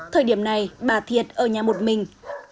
thời điểm này bà thiệt ở nhà một mình